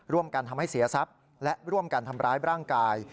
ทำให้เสียทรัพย์และร่วมกันทำร้ายร่างกาย